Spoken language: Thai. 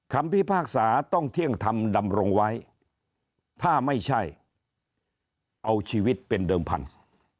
พิพากษาต้องเที่ยงธรรมดำรงไว้ถ้าไม่ใช่เอาชีวิตเป็นเดิมพันธุ์